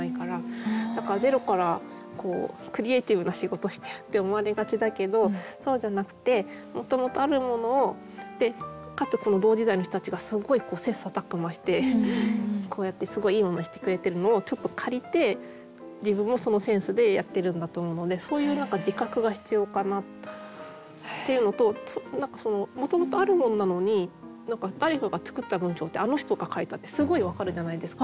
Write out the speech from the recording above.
だからゼロからクリエーティブな仕事してるって思われがちだけどそうじゃなくてもともとあるものをかつ同時代の人たちがすごい切磋琢磨してこうやってすごいいいものにしてくれてるのをちょっと借りて自分もそのセンスでやってるんだと思うのでそういう何か自覚が必要かなっていうのと何かもともとあるものなのに誰かが作った文章ってあの人が書いたってすごいわかるじゃないですか。